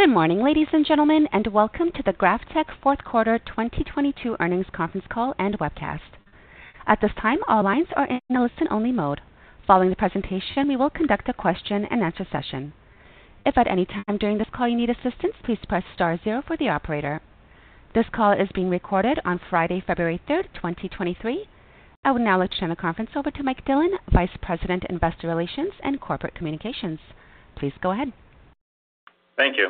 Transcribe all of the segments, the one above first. Good morning, ladies and gentlemen, and welcome to the GrafTech Fourth Quarter 2022 Earnings Conference Call and Webcast. At this time, all lines are in a listen-only mode. Following the presentation, we will conduct a question-and-answer session. If at any time during this call you need assistance, please press * 0 for the operator. This call is being recorded on Friday, February 3, 2023. I will now turn the conference over to Michael Dillon, Vice President, Investor Relations and Corporate Communications. Please go ahead. Thank you.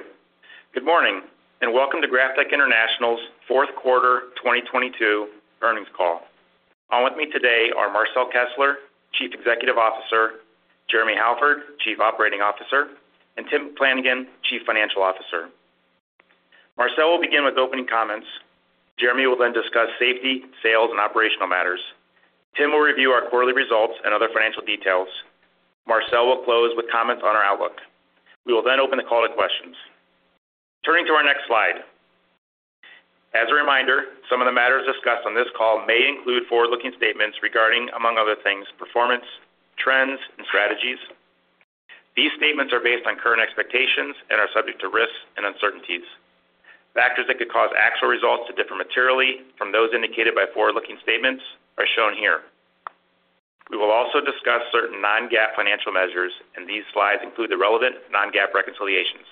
Good morning, and welcome to GrafTech International's fourth quarter 2022 earnings call. On with me today are Marcel Kessler, Chief Executive Officer, Jeremy Halford, Chief Operating Officer, and Tim Flanagan, Chief Financial Officer. Marcel will begin with opening comments. Jeremy will discuss safety, sales, and operational matters. Tim will review our quarterly results and other financial details. Marcel will close with comments on our outlook. We will open the call to questions. Turning to our next slide. As a reminder, some of the matters discussed on this call may include forward-looking statements regarding, among other things, performance, trends, and strategies. These statements are based on current expectations and are subject to risks and uncertainties. Factors that could cause actual results to differ materially from those indicated by forward-looking statements are shown here. We will also discuss certain non-GAAP financial measures, and these slides include the relevant non-GAAP reconciliations.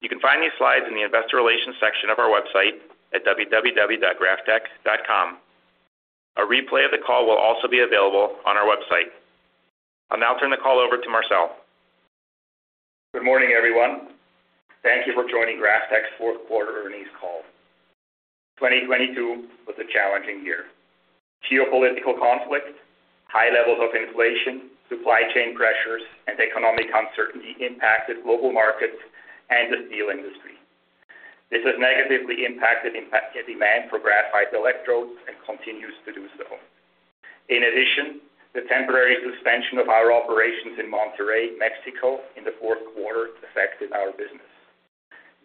You can find these slides in the Investor Relations section of our website at www.graftech.com. A replay of the call will also be available on our website. I'll now turn the call over to Marcel. Good morning, everyone. Thank you for joining GrafTech's fourth quarter earnings call. 2022 was a challenging year. Geopolitical conflict, high levels of inflation, supply chain pressures, and economic uncertainty impacted global markets and the steel industry. This has negatively impacted demand for graphite electrodes and continues to do so. In addition, the temporary suspension of our operations in Monterrey, Mexico in the fourth quarter affected our business.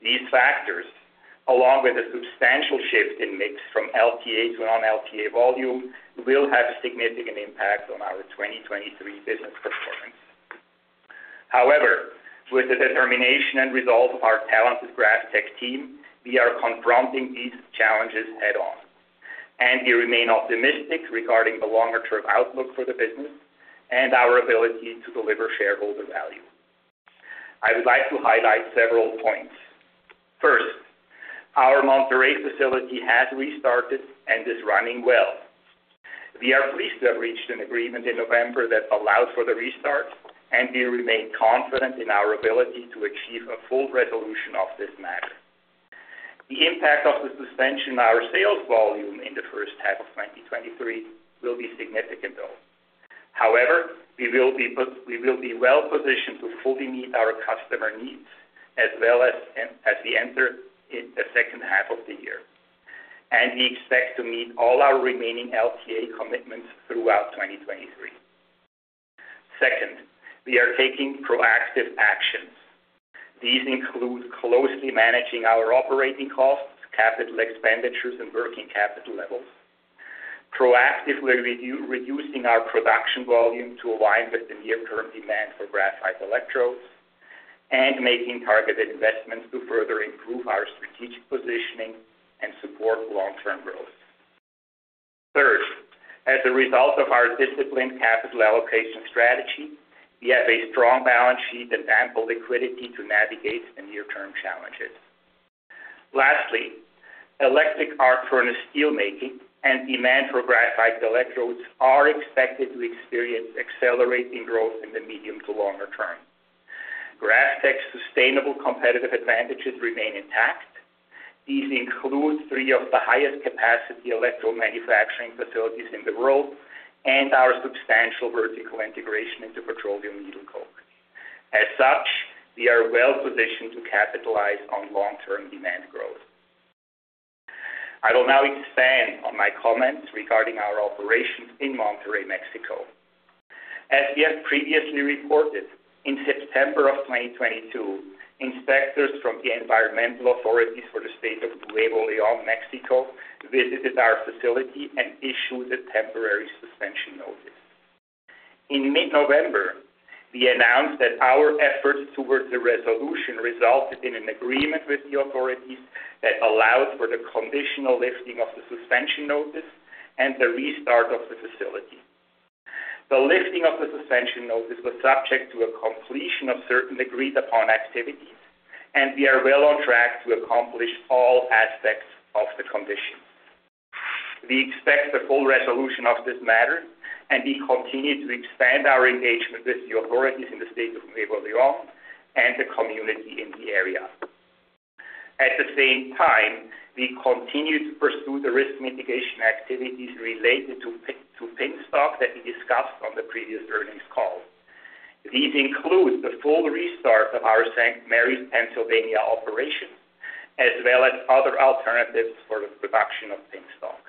These factors, along with a substantial shift in mix from LTA to non-LTA volume, will have a significant impact on our 2023 business performance. With the determination and resolve of our talented GrafTech team, we are confronting these challenges head-on, and we remain optimistic regarding the longer-term outlook for the business and our ability to deliver shareholder value. I would like to highlight several points. First, our Monterrey facility has restarted and is running well. We are pleased to have reached an agreement in November that allows for the restart, and we remain confident in our ability to achieve a full resolution of this matter. The impact of the suspension on our sales volume in the first half of 2023 will be significant, though. We will be well-positioned to fully meet our customer needs as well as we enter in the second half of the year. We expect to meet all our remaining LTA commitments throughout 2023. Second, we are taking proactive actions. These include closely managing our operating costs, capital expenditures, and working capital levels, proactively reducing our production volume to align with the near-term demand for graphite electrodes, and making targeted investments to further improve our strategic positioning and support long-term growth. Third, as a result of our disciplined capital allocation strategy, we have a strong balance sheet and ample liquidity to navigate the near-term challenges. Lastly, electric arc furnace steelmaking and demand for graphite electrodes are expected to experience accelerating growth in the medium to longer term. GrafTech's sustainable competitive advantages remain intact. These include three of the highest capacity electrode manufacturing facilities in the world and our substantial vertical integration into petroleum needle coke. As such, we are well-positioned to capitalize on long-term demand growth. I will now expand on my comments regarding our operations in Monterrey, Mexico. As we have previously reported, in September 2022, inspectors from the environmental authorities for the state of Nuevo León, Mexico, visited our facility and issued a temporary suspension notice. In mid-November, we announced that our efforts towards a resolution resulted in an agreement with the authorities that allowed for the conditional lifting of the suspension notice and the restart of the facility. The lifting of the suspension notice was subject to a completion of certain agreed-upon activities. We are well on track to accomplish all aspects of the condition. We expect a full resolution of this matter. We continue to expand our engagement with the authorities in the state of Nuevo León and the community in the area. At the same time, we continue to pursue the risk mitigation activities related to pin stock that we discussed on the previous earnings call. These include the full restart of our St. Marys, Pennsylvania operation, as well as other alternatives for the production of pin stock.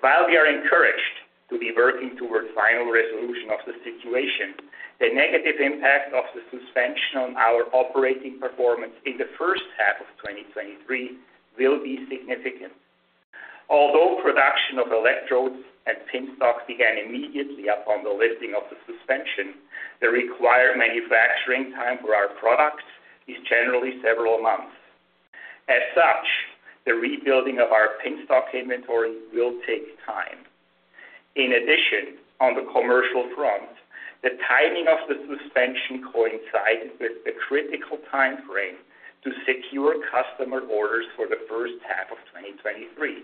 While we are encouraged to be working towards final resolution of the situation, the negative impact of the suspension on our operating performance in the first half of 2023 will be significant. Production of electrodes and pin stock began immediately upon the lifting of the suspension, the required manufacturing time for our products is generally several months. As such, the rebuilding of our pin stock inventory will take time. In addition, on the commercial front, the timing of the suspension coincides with the critical time frame to secure customer orders for the first half of 2023.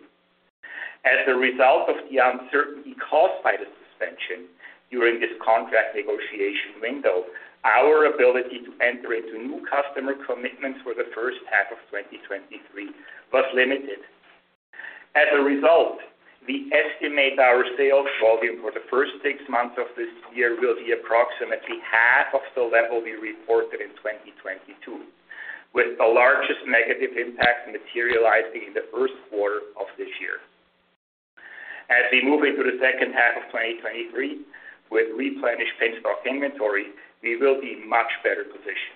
As a result of the uncertainty caused by the suspension during this contract negotiation window, our ability to enter into new customer commitments for the first half of 2023 was limited. As a result, we estimate our sales volume for the first six months of this year will be approximately half of the level we reported in 2022, with the largest negative impact materializing in the first quarter of this year. As we move into the second half of 2023 with replenished pin stock inventory, we will be much better positioned.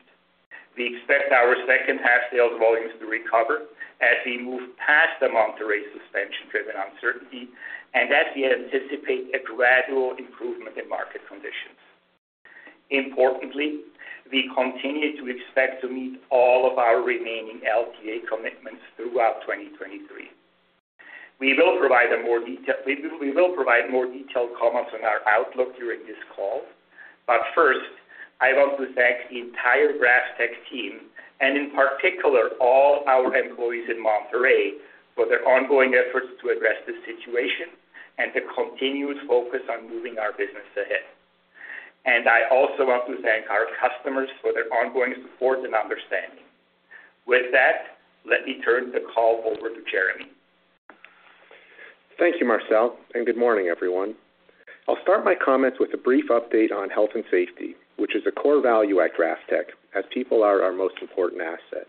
We expect our second half sales volumes to recover as we move past the Monterrey suspension-driven uncertainty, and as we anticipate a gradual improvement in market conditions. Importantly, we continue to expect to meet all of our remaining LTA commitments throughout 2023. We will provide more detailed comments on our outlook during this call. First, I want to thank the entire GrafTech team and, in particular, all our employees in Monterrey for their ongoing efforts to address this situation and the continuous focus on moving our business ahead. I also want to thank our customers for their ongoing support and understanding. With that, let me turn the call over to Jeremy. Thank you, Marcel, and good morning, everyone. I'll start my comments with a brief update on health and safety, which is a core value at GrafTech, as people are our most important asset.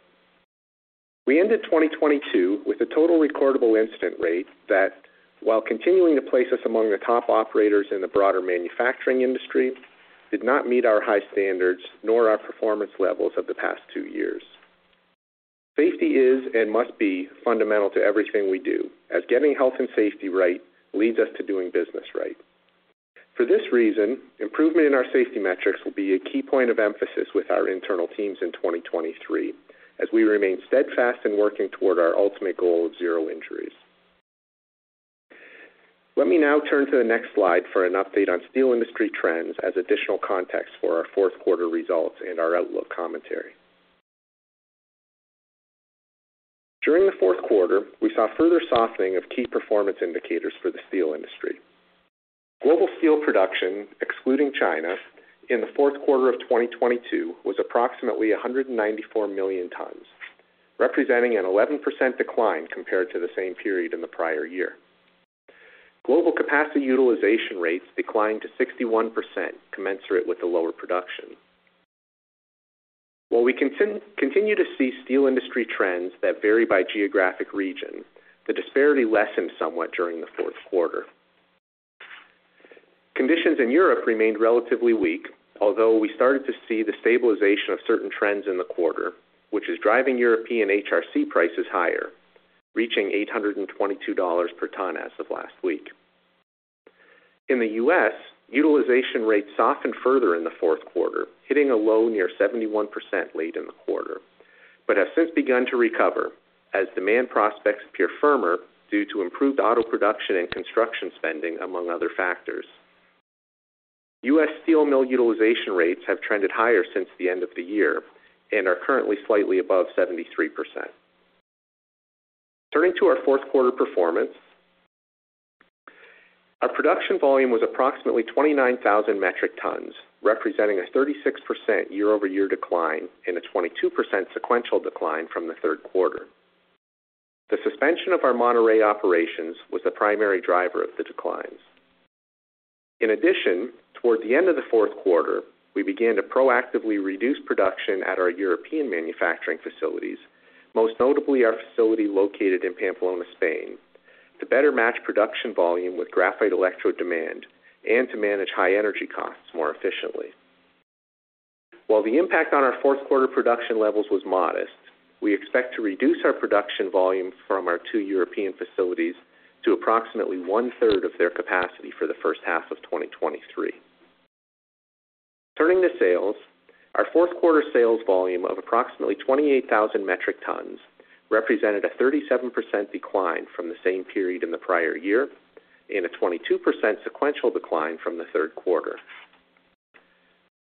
We ended 2022 with a Total Recordable Incident Rate that, while continuing to place us among the top operators in the broader manufacturing industry, did not meet our high standards nor our performance levels of the past two years. Safety is and must be fundamental to everything we do, as getting health and safety right leads us to doing business right. For this reason, improvement in our safety metrics will be a key point of emphasis with our internal teams in 2023, as we remain steadfast in working toward our ultimate goal of zero injuries. Let me now turn to the next slide for an update on steel industry trends as additional context for our fourth quarter results and our outlook commentary. During the fourth quarter, we saw further softening of key performance indicators for the steel industry. Global steel production, excluding China, in the fourth quarter of 2022 was approximately 194 million tons, representing an 11% decline compared to the same period in the prior year. Global capacity utilization rates declined to 61% commensurate with the lower production. While we continue to see steel industry trends that vary by geographic region, the disparity lessened somewhat during the fourth quarter. Conditions in Europe remained relatively weak, although we started to see the stabilization of certain trends in the quarter, which is driving European HRC prices higher, reaching $822 per ton as of last week. In the U.S., utilization rates softened further in the fourth quarter, hitting a low near 71% late in the quarter, have since begun to recover as demand prospects appear firmer due to improved auto production and construction spending, among other factors. U.S. steel mill utilization rates have trended higher since the end of the year and are currently slightly above 73%. Turning to our fourth quarter performance. Our production volume was approximately 29,000 metric tons, representing a 36% year-over-year decline and a 22% sequential decline from the third quarter. The suspension of our Monterrey operations was the primary driver of the declines. In addition, towards the end of the 4th quarter, we began to proactively reduce production at our European manufacturing facilities, most notably our facility located in Pamplona, Spain, to better match production volume with graphite electrode demand and to manage high energy costs more efficiently. While the impact on our 4th quarter production levels was modest, we expect to reduce our production volume from our two European facilities to approximately one-third of their capacity for the first half of 2023. Turning to sales. Our 4th quarter sales volume of approximately 28,000 metric tons represented a 37% decline from the same period in the prior year and a 22% sequential decline from the 3rd quarter.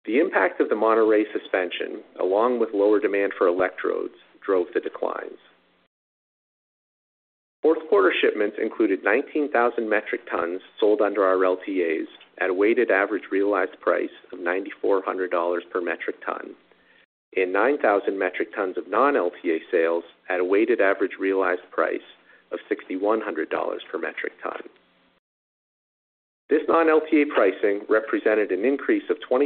The impact of the Monterrey suspension, along with lower demand for electrodes, drove the declines. Fourth quarter shipments included 19,000 metric tons sold under our LTAs at a weighted average realized price of $9,400 per metric ton and 9,000 metric tons of non-LTA sales at a weighted average realized price of $6,100 per metric ton. This non-LTA pricing represented an increase of 22%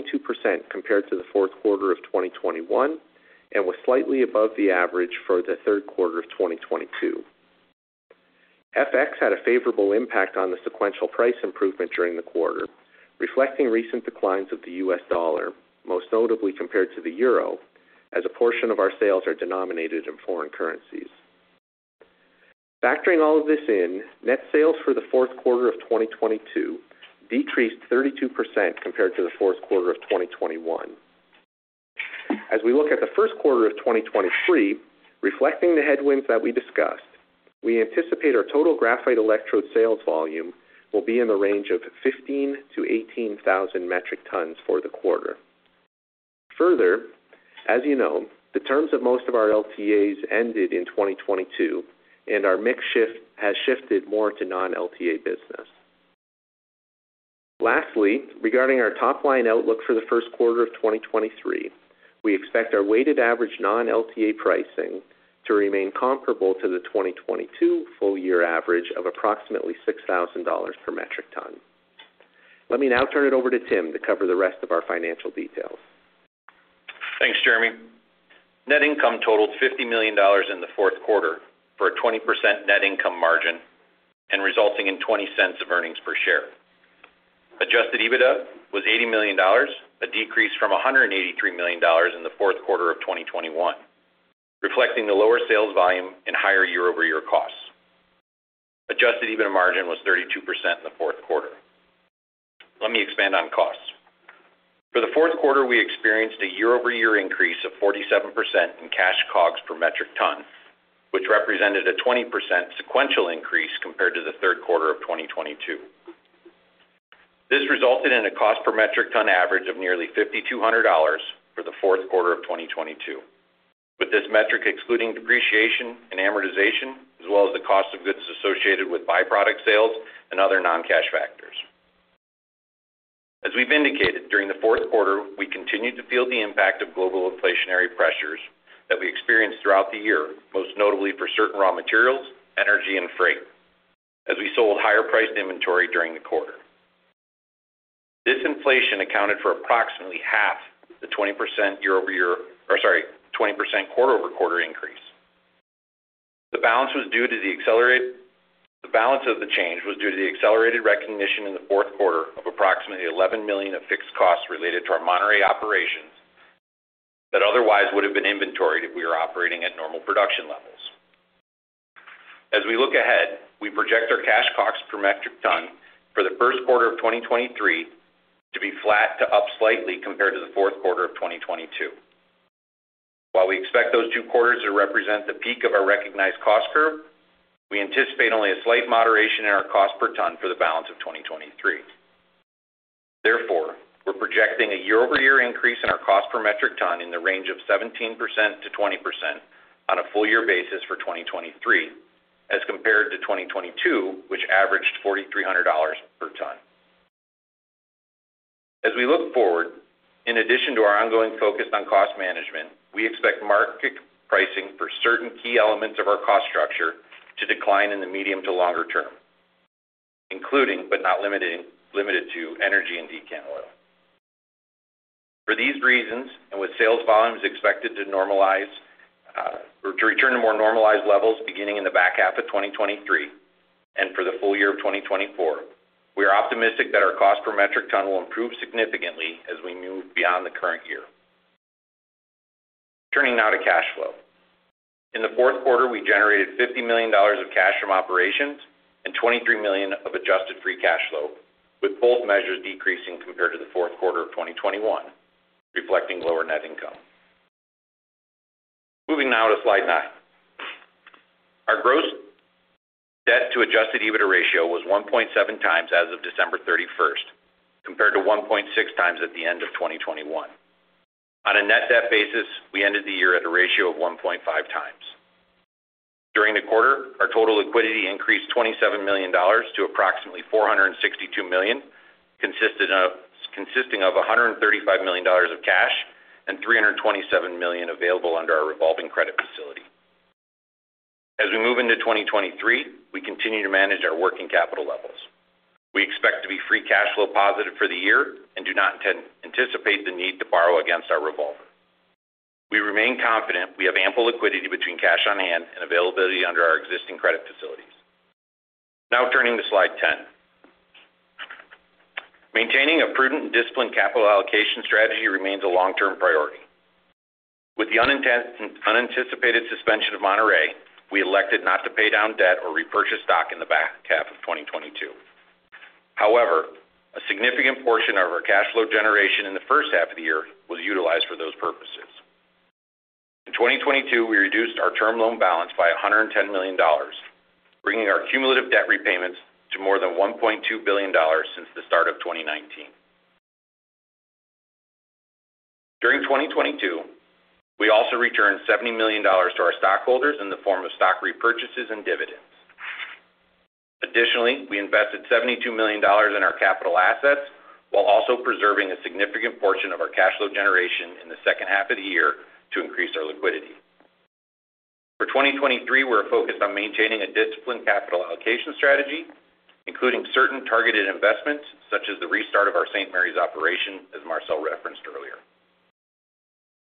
compared to the fourth quarter of 2021 and was slightly above the average for the third quarter of 2022. FX had a favorable impact on the sequential price improvement during the quarter, reflecting recent declines of the U.S., dollar, most notably compared to the euro. As a portion of our sales are denominated in foreign currencies. Factoring all of this in, net sales for the fourth quarter of 2022 decreased 32% compared to the fourth quarter of 2021. As we look at the first quarter of 2023, reflecting the headwinds that we discussed, we anticipate our total graphite electrode sales volume will be in the range of 15,000-18,000 metric tons for the quarter. Further, as you know, the terms of most of our LTAs ended in 2022, and our mix shift has shifted more to non-LTA business. Lastly, regarding our top-line outlook for the first quarter of 2023, we expect our weighted average non-LTA pricing to remain comparable to the 2022 full year average of approximately $6,000 per metric ton. Let me now turn it over to Tim to cover the rest of our financial details. Thanks, Jeremy. Net income totaled $50 million in the fourth quarter for a 20% net income margin and resulting in $0.20 of earnings per share. Adjusted EBITDA was $80 million, a decrease from $183 million in the fourth quarter of 2021, reflecting the lower sales volume and higher year-over-year costs. Adjusted EBITDA margin was 32% in the fourth quarter. Let me expand on costs. For the fourth quarter, we experienced a year-over-year increase of 47% in Cash COGS per metric ton, which represented a 20% sequential increase compared to the third quarter of 2022. This resulted in a cost per metric ton average of nearly $5,200 for the fourth quarter of 2022, with this metric excluding depreciation and amortization, as well as the cost of goods associated with byproduct sales and other non-cash factors. As we've indicated, during the fourth quarter, we continued to feel the impact of global inflationary pressures that we experienced throughout the year, most notably for certain raw materials, energy, and freight, as we sold higher-priced inventory during the quarter. This inflation accounted for approximately half the 20% quarter-over-quarter increase. The balance of the change was due to the accelerated recognition in the fourth quarter of approximately $11 million of fixed costs related to our Monterrey operations that otherwise would have been inventoried if we were operating at normal production levels. We project our Cash COGS per metric ton for the first quarter of 2023 to be flat to up slightly compared to the fourth quarter of 2022. While we expect those two quarters to represent the peak of our recognized cost curve, we anticipate only a slight moderation in our cost per ton for the balance of 2023. We're projecting a year-over-year increase in our cost per metric ton in the range of 17%-20% on a full year basis for 2023 as compared to 2022, which averaged $4,300 per ton. As we look forward, in addition to our ongoing focus on cost management, we expect market pricing for certain key elements of our cost structure to decline in the medium to longer term, including, but not limited to energy and decant oil. For these reasons, with sales volumes expected to normalize, or to return to more normalized levels beginning in the back half of 2023 and for the full year of 2024, we are optimistic that our cost per metric ton will improve significantly as we move beyond the current year. Turning now to cash flow. In the fourth quarter, we generated $50 million of cash from operations and $23 million of adjusted free cash flow, with both measures decreasing compared to the fourth quarter of 2021, reflecting lower net income. Moving now to slide 9. Our gross debt to Adjusted EBITDA ratio was 1.7 times as of December 31st, compared to 1.6 times at the end of 2021. On a net debt basis, we ended the year at a ratio of 1.5 times. During the quarter, our total liquidity increased $27 million to approximately $462 million, consisting of $135 million of cash and $327 million available under our revolving credit facility. As we move into 2023, we continue to manage our working capital levels. We expect to be free cash flow positive for the year and do not anticipate the need to borrow against our revolver. We remain confident we have ample liquidity between cash on hand and availability under our existing credit facilities. Now turning to slide 10. Maintaining a prudent and disciplined capital allocation strategy remains a long-term priority. With the unanticipated suspension of Monterrey, we elected not to pay down debt or repurchase stock in the back half of 2022. A significant portion of our cash flow generation in the first half of the year was utilized for those purposes. In 2022, we reduced our term loan balance by $110 million, bringing our cumulative debt repayments to more than $1.2 billion since the start of 2019. During 2022, we also returned $70 million to our stockholders in the form of stock repurchases and dividends. We invested $72 million in our capital assets while also preserving a significant portion of our cash flow generation in the second half of the year to increase our liquidity. For 2023, we're focused on maintaining a disciplined capital allocation strategy, including certain targeted investments such as the restart of our St. Mary's operation, as Marcel referenced earlier.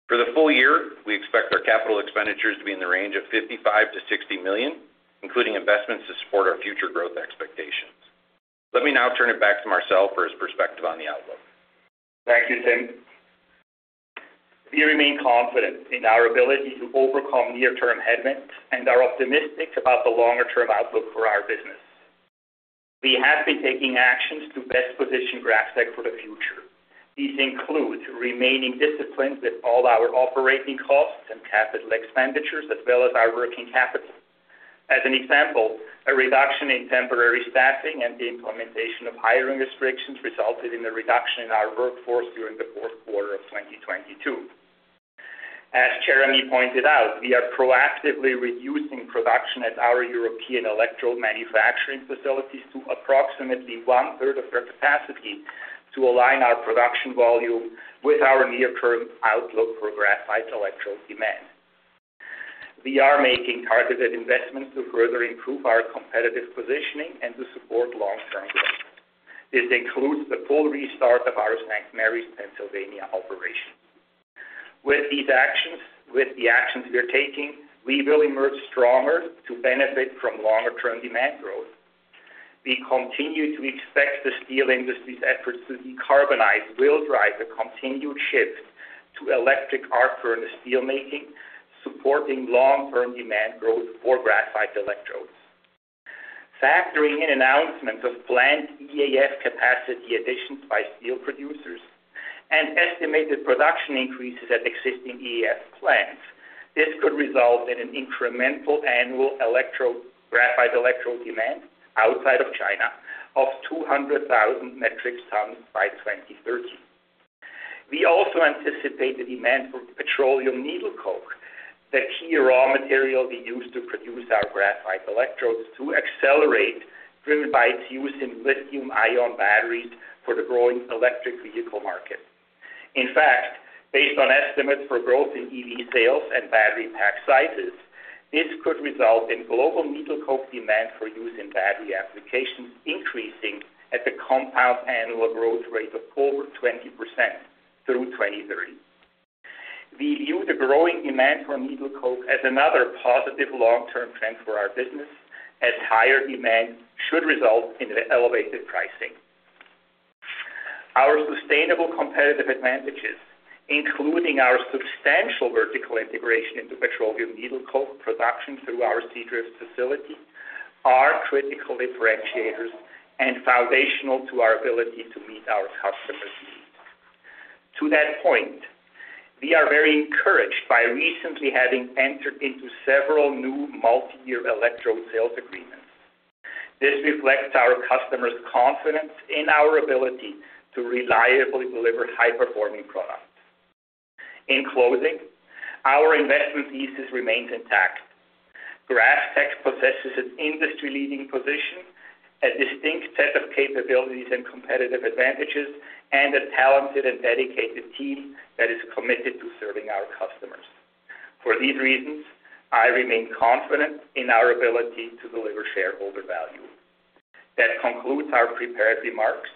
For the full year, we expect our capital expenditures to be in the range of $55 million-$60 million, including investments to support our future growth expectations. Let me now turn it back to Marcel for his perspective on the outlook. Thank you, Tim. We remain confident in our ability to overcome near-term headwinds and are optimistic about the longer-term outlook for our business. We have been taking actions to best position GrafTech for the future. These include remaining disciplined with all our operating costs and capital expenditures as well as our working capital. As an example, a reduction in temporary staffing and the implementation of hiring restrictions resulted in a reduction in our workforce during the fourth quarter of 2022. As Jeremy pointed out, we are proactively reducing production at our European electrode manufacturing facilities to approximately one-third of their capacity to align our production volume with our near-term outlook for graphite electrode demand. We are making targeted investments to further improve our competitive positioning and to support long-term growth. This includes the full restart of our St. Marys, Pennsylvania, operation. With the actions we are taking, we will emerge stronger to benefit from longer-term demand growth. We continue to expect the steel industry's efforts to decarbonize will drive a continued shift to electric arc furnace steel making, supporting long-term demand growth for graphite electrodes. Factoring in announcements of planned EAF capacity additions by steel producers and estimated production increases at existing EAF plants, this could result in an incremental annual graphite electrode demand outside of China of 200,000 metric tons by 2030. We also anticipate the demand for petroleum needle coke, the key raw material we use to produce our graphite electrodes, to accelerate driven by its use in lithium-ion batteries for the growing electric vehicle market. In fact, based on estimates for growth in EV sales and battery pack sizes, this could result in global needle coke demand for use in battery applications increasing at a Compound Annual Growth Rate of over 20% through 2030. We view the growing demand for needle coke as another positive long-term trend for our business, as higher demand should result in elevated pricing. Our sustainable competitive advantages, including our substantial vertical integration into petroleum needle coke production through our Seadrift facility, are critical differentiators and foundational to our ability to meet our customers' needs. To that point, we are very encouraged by recently having entered into several new multiyear electrode sales agreements. This reflects our customers' confidence in our ability to reliably deliver high-performing products. In closing, our investment thesis remains intact. GrafTech possesses an industry-leading position, a distinct set of capabilities and competitive advantages, and a talented and dedicated team that is committed to serving our customers. For these reasons, I remain confident in our ability to deliver shareholder value. That concludes our prepared remarks.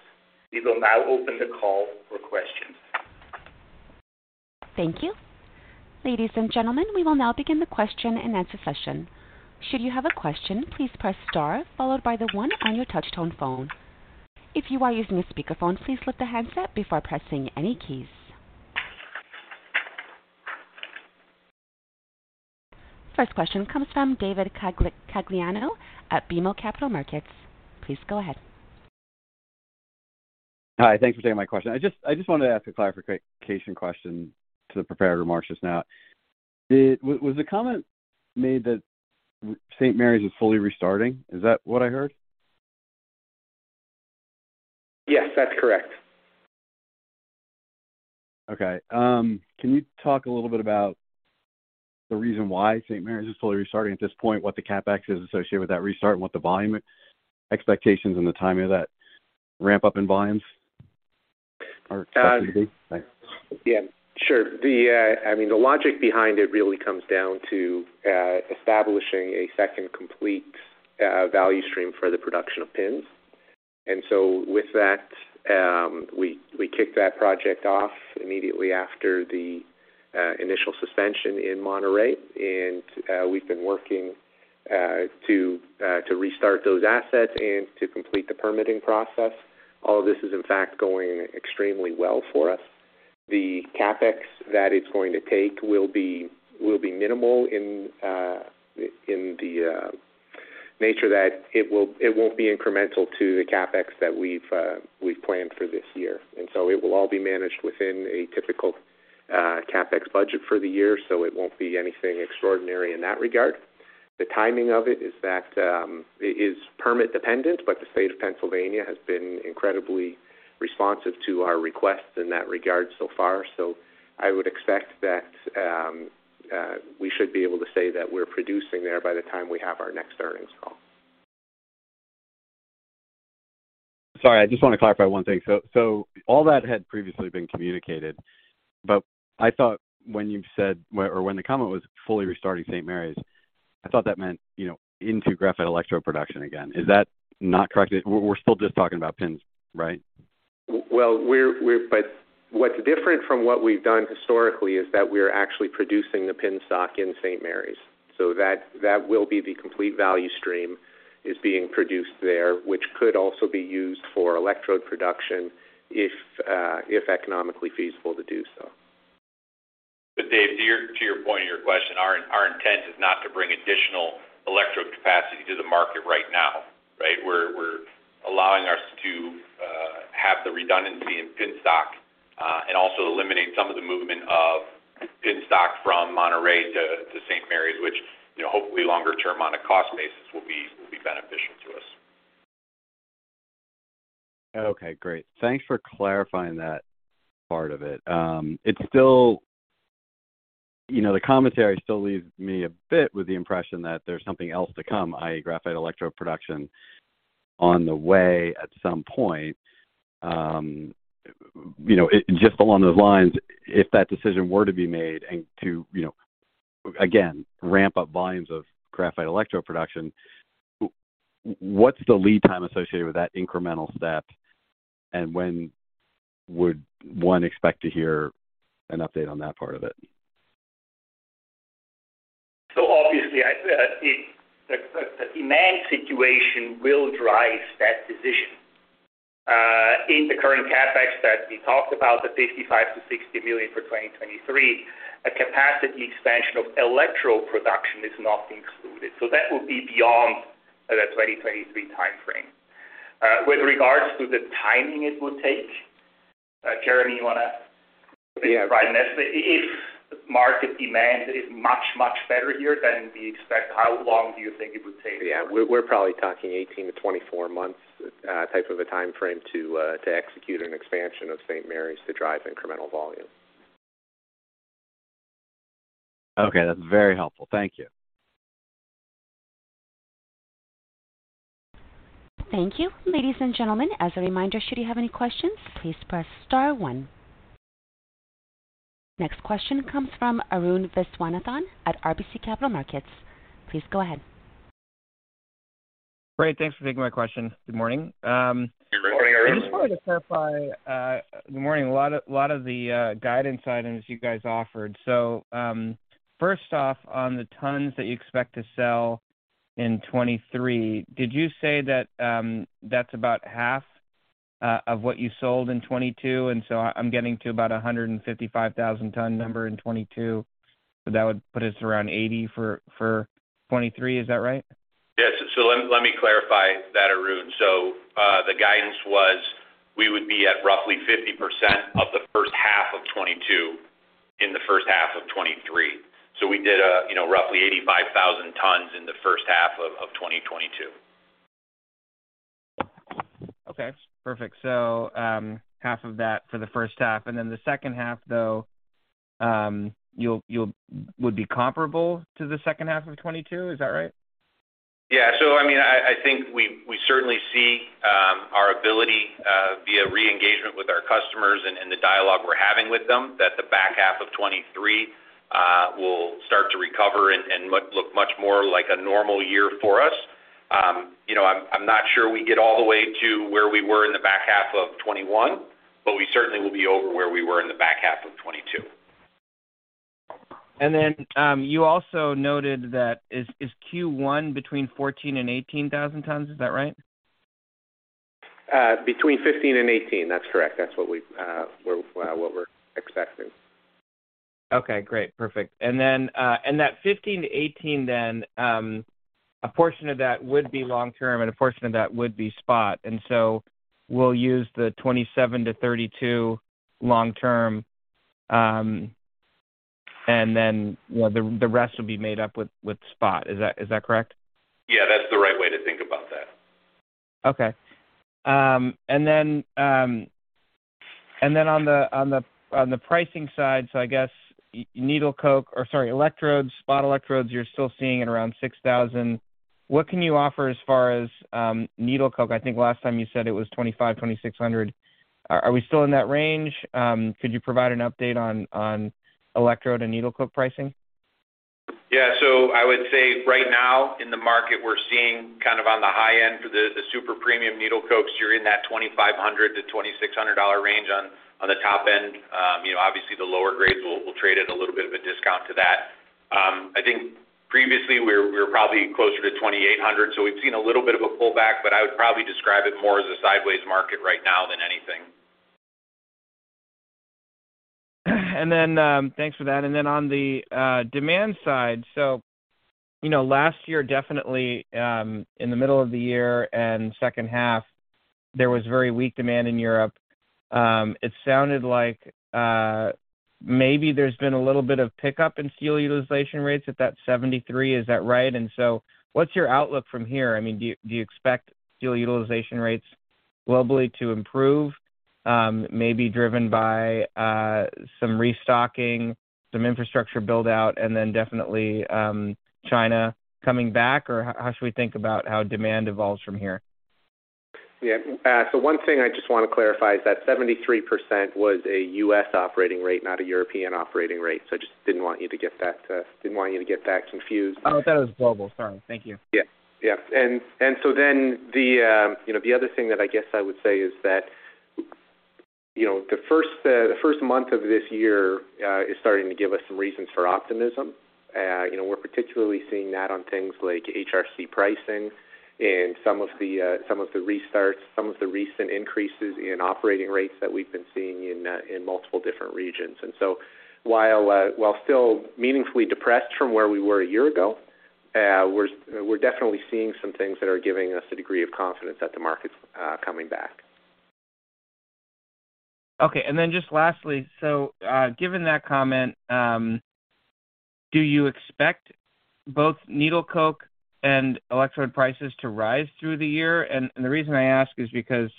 We will now open the call for questions. Thank you. Ladies and gentlemen, we will now begin the question-and-answer session. Should you have a question, please press star followed by the one on your touch-tone phone. If you are using a speakerphone, please lift the handset before pressing any keys. First question comes from David Gagliano at BMO Capital Markets. Please go ahead. Hi. Thanks for taking my question. I just wanted to ask a clarification question to the prepared remarks just now. Was the comment made that St. Mary's is fully restarting? Is that what I heard? Yes, that's correct. Can you talk a little bit about the reason why St. Mary's is fully restarting at this point, what the CapEx is associated with that restart, and what the volume expectations and the timing of that ramp up in volumes are expected to be? Thanks. Yeah, sure. The, I mean, the logic behind it really comes down to establishing a second complete value stream for the production of pins. With that, we kicked that project off immediately after the initial suspension in Monterrey. We've been working to restart those assets and to complete the permitting process. All of this is in fact going extremely well for us. The CapEx that it's going to take will be minimal in the nature that it won't be incremental to the CapEx that we've planned for this year. It will all be managed within a typical CapEx budget for the year, so it won't be anything extraordinary in that regard. The timing of it is that, it is permit dependent, but the State of Pennsylvania has been incredibly responsive to our requests in that regard so far. I would expect that, we should be able to say that we're producing there by the time we have our next earnings call. Sorry, I just want to clarify one thing. All that had previously been communicated, but I thought when you said or when the comment was fully restarting St. Mary's, I thought that meant, you know, into graphite electro production again. Is that not correct? We're still just talking about pins, right? Well, what's different from what we've done historically is that we're actually producing the pin stock in St. Marys. That will be the complete value stream is being produced there, which could also be used for electrode production if economically feasible to do so. Dave, to your point in your question, our intent is not to bring additional electrode capacity to the market right now, right? We're allowing us to have the redundancy in pin stock and also eliminate some of the movement of pin stock from Monterrey to St. Mary's, which, you know, hopefully longer term on a cost basis will be beneficial to us. Okay, great. Thanks for clarifying that part of it. It's still, you know, the commentary still leaves me a bit with the impression that there's something else to come, i.e., graphite electrode production on the way at some point. You know, just along those lines, if that decision were to be made and to, you know, again, ramp up volumes of graphite electrode production, what's the lead time associated with that incremental step? When would one expect to hear an update on that part of it? The demand situation will drive that decision. In the current CapEx that we talked about, the $55 million-$60 million for 2023, a capacity expansion of electrode production is not included. That will be beyond the 2023 timeframe. With regards to the timing it would take, Jeremy. If market demand is much better here than we expect, how long do you think it would take? We're probably talking 18-24 months type of a timeframe to execute an expansion of St. Mary's to drive incremental volume. Okay, that's very helpful. Thank you. Thank you. Ladies and gentlemen, as a reminder, should you have any questions, please press * one. Next question comes from Arun Viswanathan at RBC Capital Markets. Please go ahead. Great. Thanks for taking my question. Good morning. Good morning, Arun. I just wanted to clarify, good morning, a lot of the guidance items you guys offered. First off, on the tons that you expect to sell in 2023, did you say that that's about half of what you sold in 2022? I'm getting to about a 155,000 ton number in 2022. That would put us around 80 for 2023. Is that right? Yes. Let me clarify that, Arun. The guidance was we would be at roughly 50% of the first half of 2022 in the first half of 2023. We did, you know, roughly 85,000 tons in the first half of 2022. Okay. Perfect. half of that for the first half, and then the second half, though, you'll would be comparable to the second half of 2022. Is that right? Yeah. I mean, I think we certainly see, our ability, via re-engagement with our customers and the dialogue we're having with them, that the back half of 2023 will start to recover and look much more like a normal year for us. You know, I'm not sure we get all the way to where we were in the back half of 2021, but we certainly will be over where we were in the back half of 2022. You also noted that is Q1 between 14 and 18,000 tons? Is that right? between 15 and 18. That's correct. That's what we're expecting. Okay, great. Perfect. That 15-18 then, a portion of that would be long-term and a portion of that would be spot. We'll use the 27-32 long term, and then, you know, the rest will be made up with spot. Is that correct? Yeah, that's the right way to think about that. Okay. I guess electrodes, spot electrodes, you're still seeing at around $6,000. What can you offer as far as needle coke? I think last time you said it was $2,500-$2,600. Are we still in that range? Could you provide an update on electrode and needle coke pricing? Yeah. I would say right now in the market, we're seeing kind of on the high end for the super-premium needle cokes, you're in that $2,500-$2,600 range on the top end. You know, obviously the lower grades will trade at a little bit of a discount to that. I think previously we were probably closer to $2,800, so we've seen a little bit of a pullback, but I would probably describe it more as a sideways market right now than anything. Thanks for that. On the demand side. You know, last year, definitely, in the middle of the year and second half, there was very weak demand in Europe. It sounded like maybe there's been a little bit of pickup in steel utilization rates at that 73. Is that right? What's your outlook from here? I mean, do you, do you expect steel utilization rates globally to improve, maybe driven by some restocking, some infrastructure build out, and then definitely, China coming back? How should we think about how demand evolves from here? Yeah. One thing I just want to clarify is that 73% was a U.S. operating rate, not a European operating rate. I just didn't want you to get that, didn't want you to get that confused. Oh, I thought it was global. Sorry. Thank you. Yeah. Yeah. You know, the other thing that I guess I would say is that. You know, the first month of this year is starting to give us some reasons for optimism. You know, we're particularly seeing that on things like HRC pricing and some of the restarts, some of the recent increases in operating rates that we've been seeing in multiple different regions. While still meaningfully depressed from where we were a year ago, we're definitely seeing some things that are giving us a degree of confidence that the market's coming back. Okay. Just lastly, given that comment, do you expect both needle coke and electrode prices to rise through the year? The reason I ask is because,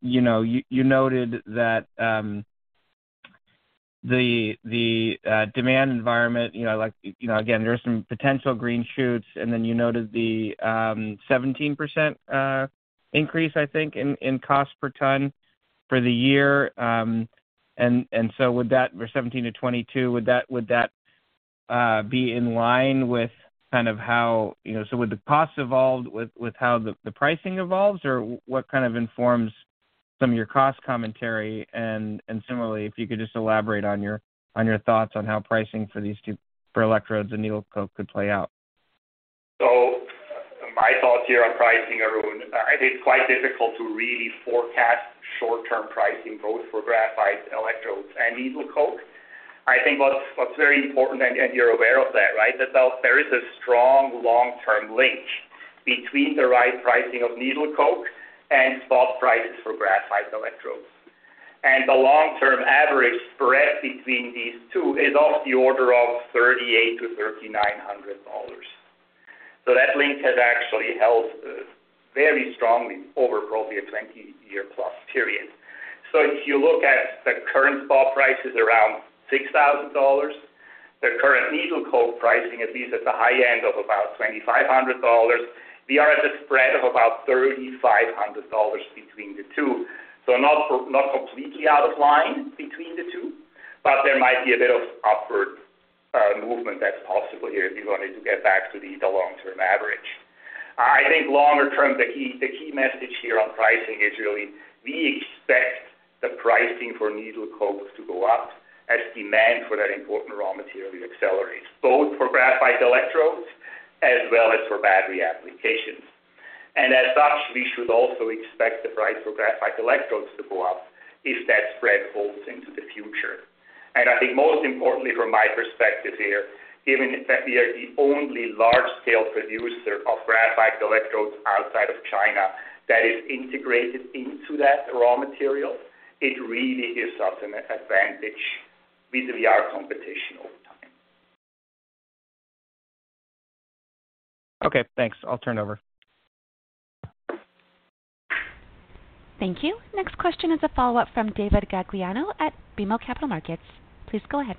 you know, you noted that the demand environment, you know, like, you know, again, there are some potential green shoots, and then you noted the 17% increase, I think, in cost per ton for the year. For 17%-22%, would that be in line with kind of how, you know... Would the cost evolve with how the pricing evolves, or what kind of informs some of your cost commentary? Similarly, if you could just elaborate on your thoughts on how pricing for these two, for electrodes and needle coke could play out? My thoughts here on pricing, Arun, I think it's quite difficult to really forecast short-term pricing both for graphite electrodes and needle coke. I think what's very important, and you're aware of that, right? There is a strong long-term link between the right pricing of needle coke and spot prices for graphite electrodes. The long-term average spread between these two is of the order of $3,800-$3,900. That link has actually held very strongly over probably a 20-year-plus period. If you look at the current spot prices around $6,000, the current needle coke pricing, at least at the high end of about $2,500, we are at a spread of about $3,500 between the two. Not completely out of line between the two, but there might be a bit of upward movement that's possible here if you wanted to get back to the long-term average. I think longer term, the key message here on pricing is really we expect the pricing for needle coke to go up as demand for that important raw material accelerates, both for graphite electrodes as well as for battery applications. As such, we should also expect the price for graphite electrodes to go up if that spread holds into the future. I think most importantly from my perspective here, given that we are the only large-scale producer of graphite electrodes outside of China that is integrated into that raw material, it really gives us an advantage vis-a-vis our competition over time. Okay, thanks. I'll turn over. Thank you. Next question is a follow-up from David Gagliano at BMO Capital Markets. Please go ahead.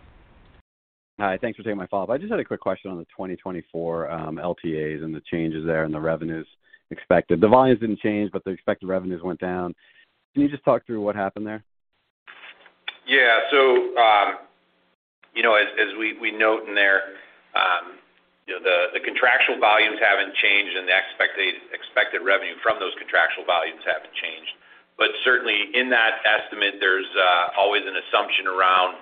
Hi. Thanks for taking my follow-up. I just had a quick question on the 2024 LTAs and the changes there and the revenues expected. The volumes didn't change, but the expected revenues went down. Can you just talk through what happened there? Yeah. You know, as we note in there, you know, the contractual volumes haven't changed, and the expected revenue from those contractual volumes haven't changed. Certainly in that estimate, there's always an assumption around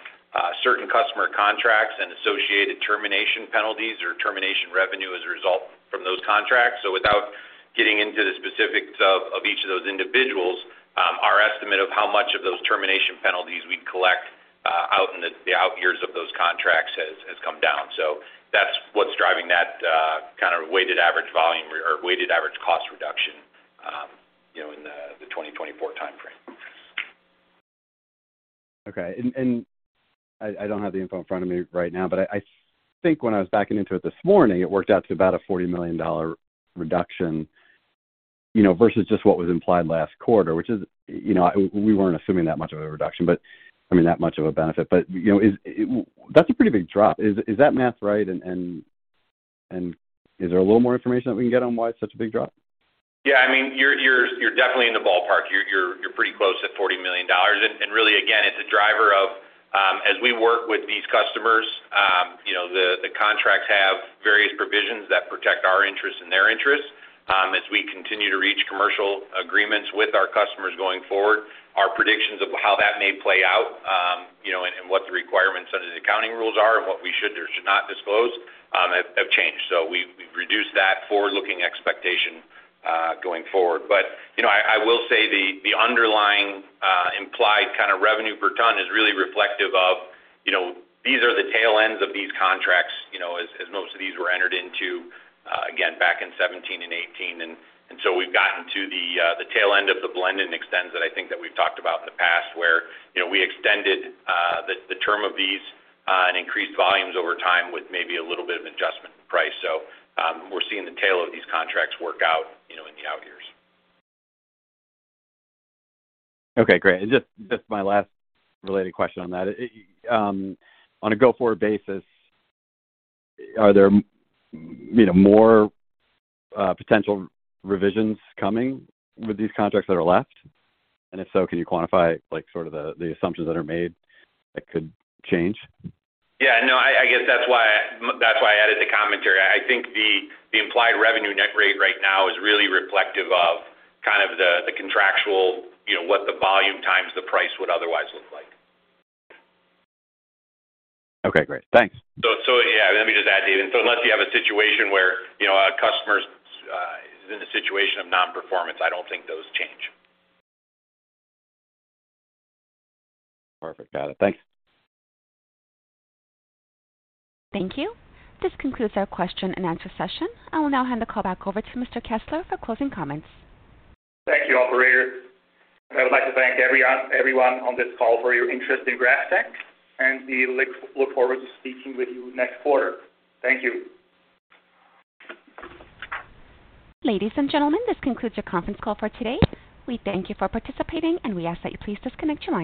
certain customer contracts and associated termination penalties or termination revenue as a result from those contracts. Without getting into the specifics of each of those individuals, our estimate of how much of those termination penalties we'd collect out in the out years of those contracts has come down. That's what's driving that kind of weighted average volume or weighted average cost reduction, you know, in the 2024 timeframe. Okay. I don't have the info in front of me right now, but I think when I was backing into it this morning, it worked out to about a $40 million reduction, you know, versus just what was implied last quarter, which is, you know, we weren't assuming that much of a reduction, but I mean that much of a benefit. You know, that's a pretty big drop. Is that math right? Is there a little more information that we can get on why it's such a big drop? Yeah, I mean, you're definitely in the ballpark. You're pretty close at $40 million. Really, again, it's a driver of, as we work with these customers, you know, the contracts have various provisions that protect our interests and their interests. As we continue to reach commercial agreements with our customers going forward, our predictions of how that may play out, you know, and what the requirements under the accounting rules are and what we should or should not disclose, have changed. So we've reduced that forward-looking expectation going forward. You know, I will say the underlying implied kind of revenue per ton is really reflective of, you know, these are the tail ends of these contracts, you know, as most of these were entered into again back in 2017 and 2018. We've gotten to the tail end of the blend and extend that I think that we've talked about in the past, where, you know, we extended the term of these and increased volumes over time with maybe a little bit of adjustment in price. We're seeing the tail of these contracts work out, you know, in the out years. Okay, great. Just my last related question on that. On a go-forward basis, are there, you know, more potential revisions coming with these contracts that are left? If so, can you quantify like sort of the assumptions that are made that could change? Yeah, no, I guess that's why, that's why I added the commentary. I think the implied revenue net rate right now is really reflective of kind of the contractual, you know, what the volume times the price would otherwise look like. Okay, great. Thanks. Yeah, let me just add, David. Unless you have a situation where, you know, a customer's is in a situation of non-performance, I don't think those change. Perfect. Got it. Thanks. Thank you. This concludes our question and answer session. I will now hand the call back over to Mr. Kessler for closing comments. Thank you, operator. I would like to thank everyone on this call for your interest in GrafTech. We look forward to speaking with you next quarter. Thank you. Ladies and gentlemen, this concludes your conference call for today. We thank you for participating, and we ask that you please disconnect your lines.